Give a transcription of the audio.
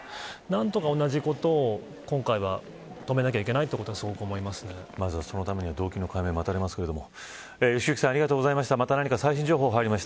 何とか同じことを今回は止めなくてはいけないとまずは、そのための動機の解明が待たれますが良幸さんありがとうございました。